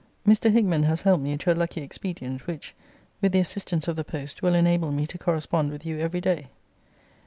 Mr. Hickman has helped me to a lucky expedient, which, with the assistance of the post, will enable me to correspond with you every day.